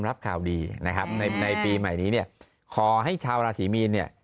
รับข่าวดีนะครับในในปีใหม่นี้เนี่ยขอให้ชาวราศีมีนเนี่ย